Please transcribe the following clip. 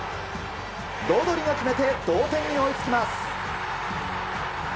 ノドリが決めて同点に追いつきます。